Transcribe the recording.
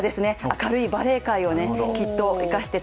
明るいバレー界をきっと生かして